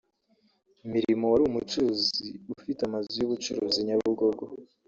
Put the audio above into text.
Milimo wari umucuruzi ufite amazu y’ubucuruzi Nyabugogo